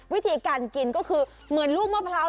วิธีการกินก็คือเหมือนลูกมะพร้าว